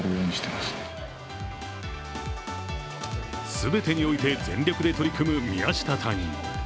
全てにおいて全力で取り組む宮下隊員。